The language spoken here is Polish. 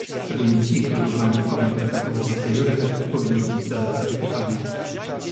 Szczególnie ci, którzy uznają reformę traktatową za priorytet, powinni dziś zadać sobie pytanie